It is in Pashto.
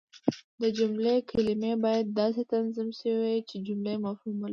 د جملې کلیمې باید داسي تنظیم سوي يي، چي جمله مفهوم ولري.